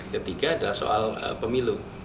ketiga adalah soal pemilu